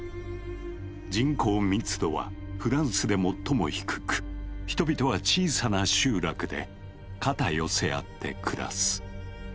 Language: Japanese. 人口密度はフランスで最も低く人々は小さな集落で肩寄せ合って暮らす。